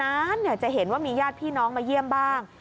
นานจะเห็นว่ามีญาติพี่น้องมาเยี่ยมบ้าง